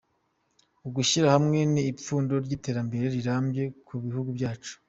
Ugushyira hamwe ni ipfundo ry'iterambere rirambye ku gihugu cyacu.